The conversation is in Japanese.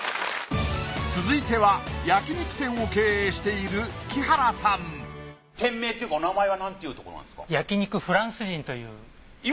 続いては焼肉店を経営している黄原さん店名っていうかお名前は何ていうところなんですか？